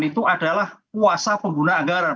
itu adalah kuasa pengguna anggaran